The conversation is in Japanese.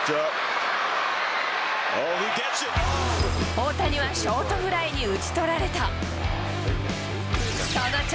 大谷はショートフライに打ち取られた。